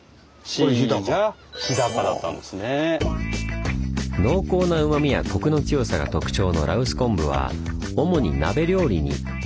そして濃厚なうまみやコクの強さが特徴の羅臼昆布は主に鍋料理に。